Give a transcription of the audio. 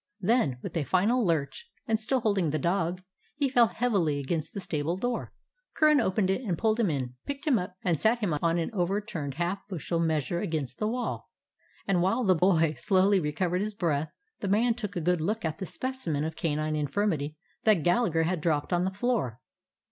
Then, with a final lurch, and still holding the dog, he fell heavily against the stable door. Curran opened it and pulled him in, picked him up, and set him on an overturned half bushel measure against the wall; and while the boy slowly recovered his breath, the man took a good look at the specimen of canine infirmity that Gallagher had dropped on the floor.